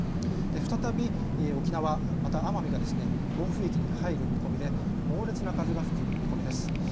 再び沖縄、また奄美が暴風域に入る見込みで猛烈な風が吹く見込みです。